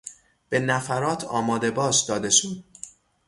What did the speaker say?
به نفرات آمادهباش داده شد.